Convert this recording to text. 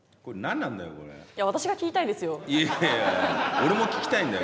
俺も聞きたいんだよ。